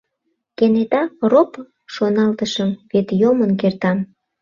Кенета роп шоналтышым: вет йомын кертам.